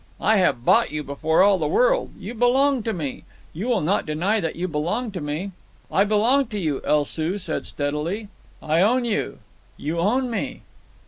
"I have bought you before all the world. You belong to me. You will not deny that you belong to me." "I belong to you," El Soo said steadily. "I own you." "You own me."